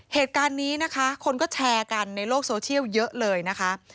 เหตุการณ์นี้นะคะคนก็แชร์กันในโลกโซเชียลเยอะเลยนะคะ